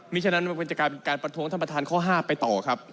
ฉะนั้นมันจะกลายเป็นการประท้วงท่านประธานข้อ๕ไปต่อครับ